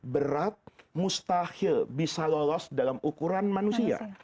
berat mustahil bisa lolos dalam ukuran manusia